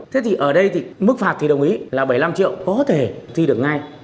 thế thì ở đây thì mức phạt thì đồng ý là bảy mươi năm triệu có thể thi được ngay